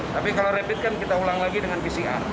tapi kalau rapid kan kita ulang lagi dengan pcr